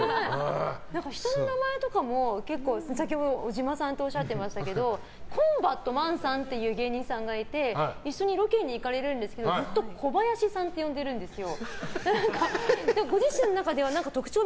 人の名前とかも先ほど、オジマさんとおっしゃってましたけどコンバットマンさんっていう芸人さんがいて一緒にロケに行かれるんですけどずっとコバヤシさんと呼んでらっしゃるんですよ。